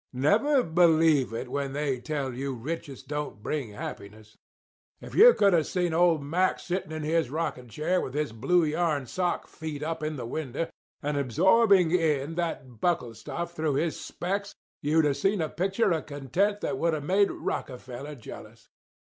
Never believe it when they tell you riches don't bring happiness. If you could have seen old Mack sitting in his rocking chair with his blue yarn sock feet up in the window and absorbing in that Buckle stuff through his specs you'd have seen a picture of content that would have made Rockefeller jealous.